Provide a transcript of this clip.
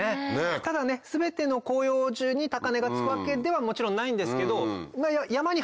ただね全ての広葉樹に高値がつくわけではもちろんないんですけど。